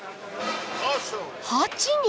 ８人！？